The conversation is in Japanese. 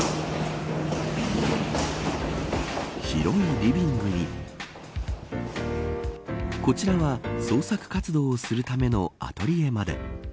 広いリビングにこちらは創作活動をするためのアトリエまで。